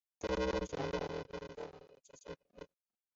中观学派为他们的直系后裔。